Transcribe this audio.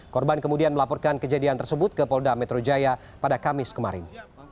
korban kemudian melaporkan kejadian tersebut ke polda metro jaya pada kamis kemarin